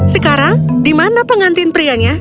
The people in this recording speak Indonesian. sekarang di mana pengantin prianya